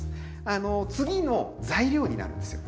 あの次の材料になるんですよ。